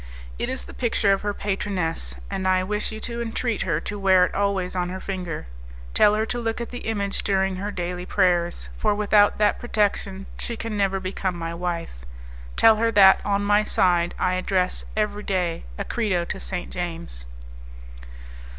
It is the picture of her patroness, and I wish you to entreat her to wear it always on her finger; tell her to look at the image during her daily prayers, for without that protection she can never become my wife. Tell her that, on my side, I address every day a credo to St. James."